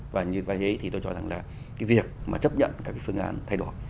và như vậy thì tôi cho rằng là cái việc mà chấp nhận các cái phương án thay đổi